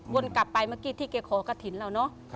วนกลับไปเมื่อกี้ที่แกขอกระถิ่นเราเนอะ